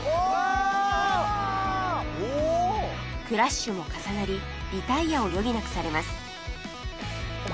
クラッシュも重なりリタイアを余儀なくされます